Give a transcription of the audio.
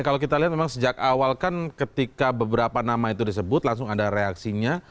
kalau kita lihat memang sejak awal kan ketika beberapa nama itu disebut langsung ada reaksinya